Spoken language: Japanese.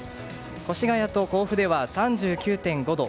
越谷と甲府では３９．５度。